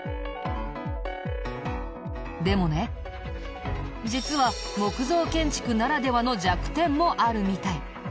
でもね実は木造建築ならではの弱点もあるみたい。